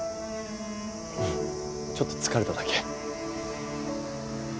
ちょっと疲れただけ。